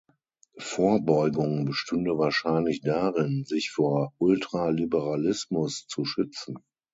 Vorbeugung bestünde wahrscheinlich darin, sich vor Ultraliberalismus zu schützen.